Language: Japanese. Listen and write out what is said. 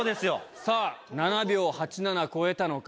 さぁ７秒８７超えたのか？